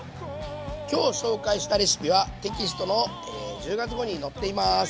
今日紹介したレシピはテキストの１０月号に載っています。